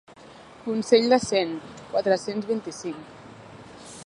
Consell de Cent, quatre-cents vint-i-cinc.